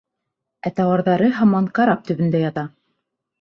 Ә тауарҙары һаман карап төбөндә ята.